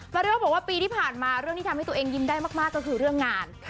เรียกว่าปีที่ผ่านมาเรื่องที่ทำให้ตัวเองยิ้มได้มากก็คือเรื่องงาน